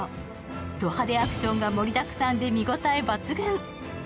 ド派手アクションが盛りだくさんで見応え抜群。